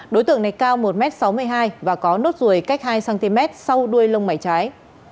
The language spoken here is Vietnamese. đối tượng này cao một m sáu mươi hai và có nốt ruồi cách hai cm sau đuôi lông mảy trái